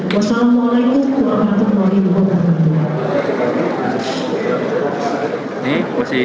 wassalamu'alaikum warahmatullahi wabarakatuh